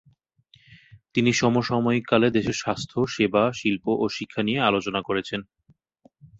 তিনি সমসাময়িক কালে দেশের স্বাস্থ্য, সেবা, শিল্প ও শিক্ষা নিয়ে আলোচনা করেছেন।